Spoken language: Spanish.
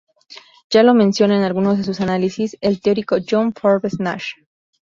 Ya lo menciona en algunos de sus análisis el Teórico John Forbes Nash.